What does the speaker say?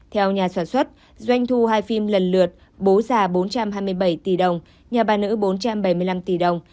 theo nhà sản xuất doanh thu hai phim lần lượt bố già bốn trăm hai mươi bảy tỷ đồng nhà bà nữ bốn trăm bảy mươi năm tỷ đồng